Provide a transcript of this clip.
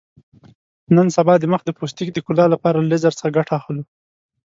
نن سبا د مخ د پوستکي د ښکلا لپاره له لیزر څخه ګټه اخلو.